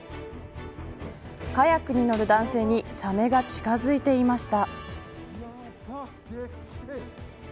カヤックに乗る男性にサメが近づいていました。